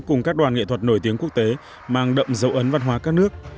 cùng các đoàn nghệ thuật nổi tiếng quốc tế mang đậm dấu ấn văn hóa các nước